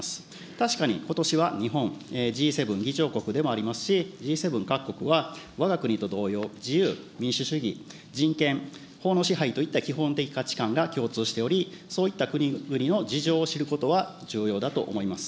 確かにことしは日本、Ｇ７議長国でもありますし、Ｇ７各国は、わが国と同様、自由、民主主義、人権、法の支配といった基本的価値観が共通しており、そういった国々の事情を知ることは重要だと思います。